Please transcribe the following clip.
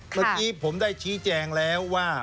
เมื่อกี้ผมได้ชี้แจงแล้วว่า